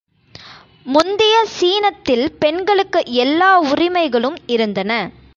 முந்திய சீனத்தில் பெண்களுக்கு எல்லா உரிமைகளும் இருந்தன.